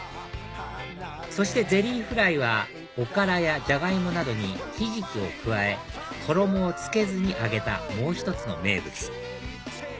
そしてゼリーフライはおからやジャガイモなどにひじきを加え衣をつけずに揚げたもう１つの名物